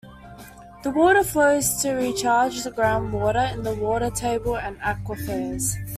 The water flows to recharge the groundwater in the water table and aquifers.